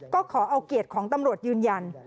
ก็ขอเอาเกียรติของตำรวจยืนยัน